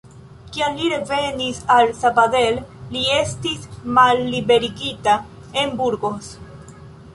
Kiam li revenis al Sabadell, li estis malliberigita en Burgos.